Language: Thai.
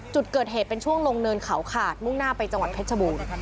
จุดเกิดเหตุเป็นช่วงลงเนินเขาขาดมุ่งหน้าไปจังหวัดเพชรบูรณ์